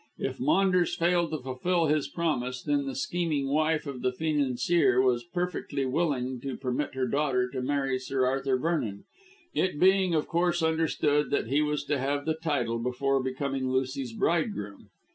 If Maunders failed to fulfil his promise, then the scheming wife of the financier was perfectly willing to permit her daughter to marry Sir Arthur Vernon, it being of course understood that he was to have the title before becoming Lucy's bridegroom.